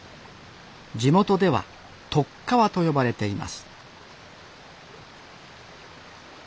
地元では「とっかわ」と呼ばれています